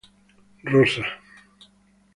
Rosa 'Mrs.